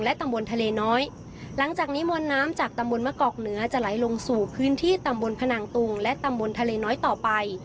ตำบลทะเลน้อยหลังจากนี้มวลน้ำจากตำบลมะกอกเหนือจะไหลลงสู่พื้นที่ตำบลพนังตุงและตำบลทะเลน้อยต่อไป